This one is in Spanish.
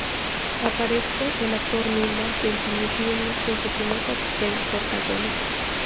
Aparece el actor Milo Ventimiglia en su primer papel protagónico.